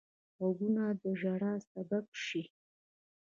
غوږونه د ژړا سبب شي